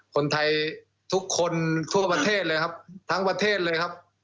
คนไทยทุกคนทั่วประเทศเลยครับทั้งประเทศเลยครับ